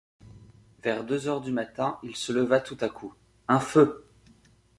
Vers deux heures du matin, il se leva tout à coup: « Un feu!